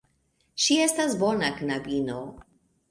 Ŝi estas bona knabino.